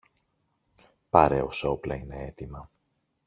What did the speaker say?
πάρε όσα όπλα είναι έτοιμα